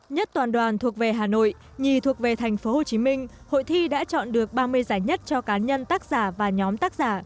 nhất toàn đoàn thuộc về hà nội nhì thuộc về tp hcm hội thi đã chọn được ba mươi giải nhất cho cá nhân tác giả và nhóm tác giả